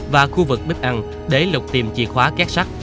và khu vực bếp ăn để lục tìm chìa khóa kết sắt